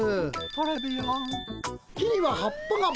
トレビアン。